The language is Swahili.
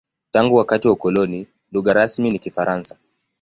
Tangu wakati wa ukoloni, lugha rasmi ni Kifaransa.